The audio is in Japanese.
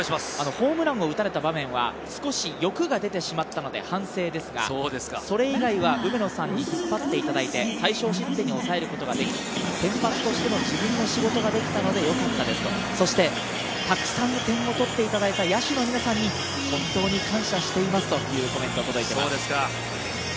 ホームランを打たれた場面は少し欲が出てしまったので反省ですが、それ以外は梅野さんに引っ張っていただいて、最少失点に抑えることができ、先発としての自分の仕事ができたのでよかったですと、そしてたくさん点を取っていただいた野手の皆さんに本当に感謝していますというコメントが届いています。